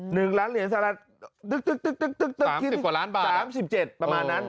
หนึ่งล้านเหรียญสหรัฐตึ๊กที่สิบกว่าล้านบาทสามสิบเจ็ดประมาณนั้น